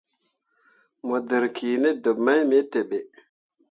Mo dǝrriki ne deb mai me teɓe.